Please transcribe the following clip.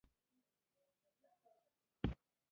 دوی د بوشنګانو له لوري کارول کېدونکې ټکنالوژۍ سره پوه وو